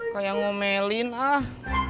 kayak ngomelin ah